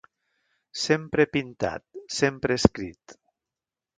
Sempre he pintat, sempre he escrit.